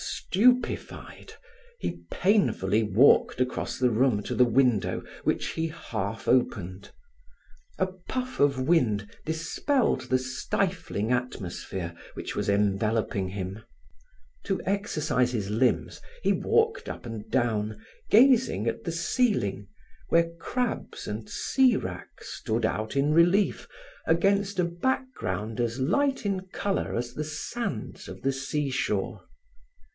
Stupefied, he painfully walked across the room to the window which he half opened. A puff of wind dispelled the stifling atmosphere which was enveloping him. To exercise his limbs, he walked up and down gazing at the ceiling where crabs and sea wrack stood out in relief against a background as light in color as the sands of the seashore.